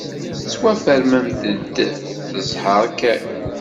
Tettwafernemt-d d zzheṛ kan.